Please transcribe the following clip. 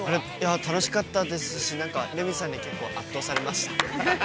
◆楽しかったですし、レミさんに結構圧倒されました。